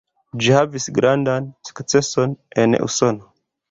Ĝi havis grandan sukceson en Usono.